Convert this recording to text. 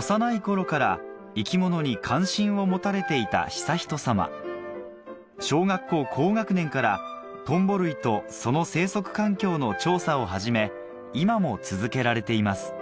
幼い頃から生き物に関心を持たれていた悠仁さま小学校高学年からトンボ類とその生息環境の調査を始め今も続けられています